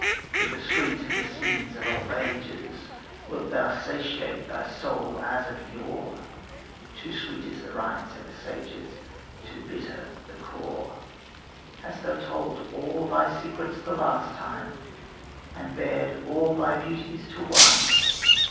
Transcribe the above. With the sweet of the sins of old ages Wilt thou satiate thy soul as of yore? Too sweet is the rind, say the sages, Too bitter the core. Hast thou told all thy secrets the last time, And bared all thy beauties to one?